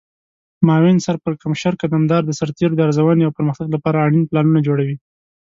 معاون سرپرکمشر قدمدار د سرتیرو د ارزونې او پرمختګ لپاره اړین پلانونه جوړوي.